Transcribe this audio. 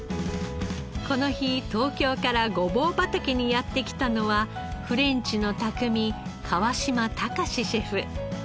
この日東京からごぼう畑にやって来たのはフレンチの匠川島孝シェフ。